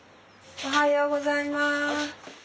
おはようございます。